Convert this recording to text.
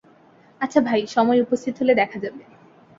আচ্ছা ভাই, সময় উপস্থিত হলে দেখা যাবে।